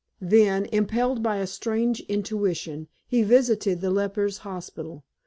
Then, impelled by a strange intuition, he visited the lepers' hospital.